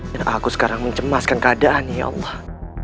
dan aku sekarang mencemaskan keadaannya ya allah